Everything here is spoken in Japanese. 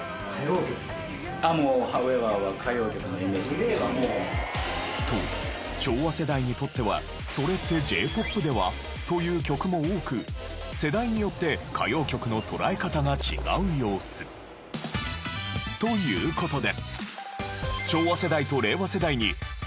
あっもう『ＨＯＷＥＶＥＲ』は歌謡曲のイメージ。と昭和世代にとってはそれってＪ−ＰＯＰでは？という曲も多く世代によって歌謡曲の捉え方が違う様子。という事で。